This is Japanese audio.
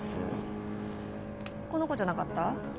この子じゃなかった？